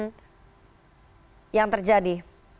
sekolah mendukung penyidikan dari kasus penusukan yang terjadi